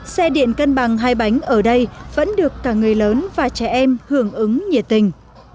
xe điện cân bằng hai bánh ở đây vẫn được cả người lớn và trẻ em hưởng ứng nhiệt tình